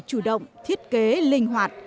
chủ động thiết kế linh hoạt